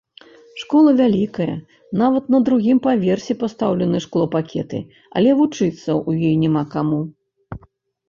Школа вялікая, нават на другім паверсе пастаўлены шклопакеты, але вучыцца ў ёй няма каму.